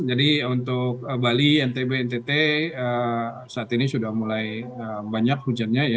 jadi untuk bali ntb ntt saat ini sudah mulai banyak hujannya ya